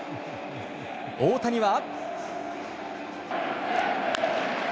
大谷は。